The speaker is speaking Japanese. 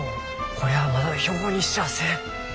こりゃまだ標本にしちゃあせん。